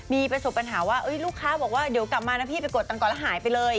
มีประสบปัญหาว่าลูกค้าบอกว่าเดี๋ยวกลับมานะพี่ไปกดตังค์ก่อนแล้วหายไปเลย